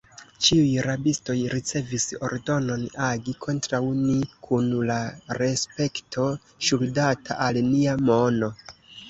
Ĉiuj rabistoj ricevis ordonon agi kontraŭ ni kun la respekto ŝuldata al nia mono.